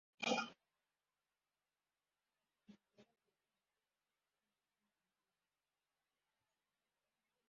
Umuhungu muto wambaye ikositimu afashe impeta y'ubukwe